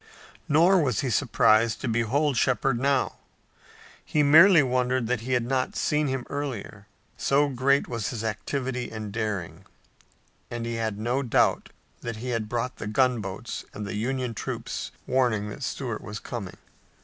Nor was he surprised to behold Shepard now. He merely wondered that he had not seen him earlier, so great was his activity and daring, and he had no doubt that he had brought the gunboats and the Union troops warning that Stuart was coming.